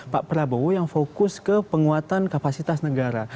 pak prabowo yang fokus ke penguatan kapasitas negara